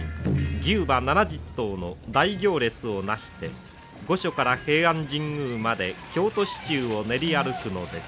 牛馬７０頭の大行列を成して御所から平安神宮まで京都市中を練り歩くのです。